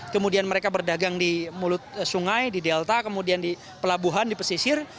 kemudian mereka berdagang di mulut sungai di delta kemudian di pelabuhan di pesisir